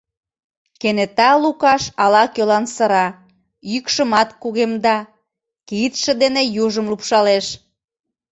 Кенета Лукаш ала-кӧлан сыра, йӱкшымат кугемда, кидше дене южым лупшалеш.